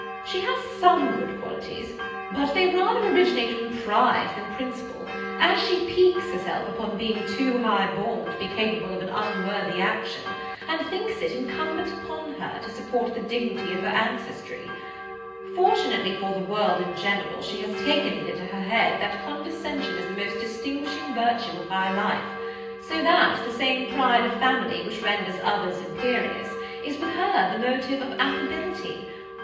She has some good qualities; but they rather originate from pride than principle, as she piques herself upon being too high born to be capable of an unworthy action, and thinks it incumbent upon her to support the dignity of her ancestry. Fortunately for the world in general, she has taken it into her head, that condescension is the most distinguishing virtue of high life; so that the same pride of family which renders others imperious, is with her the motive of affability.